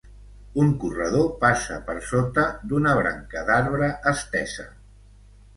Un corredor passa per sota d'una branca d'arbre estesa.